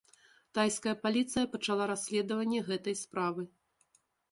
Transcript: Тайская паліцыя пачала расследаванне гэтай справы.